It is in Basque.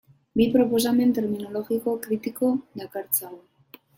Bi proposamen terminologiko kritiko dakartzagu.